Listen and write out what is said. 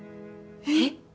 えっ？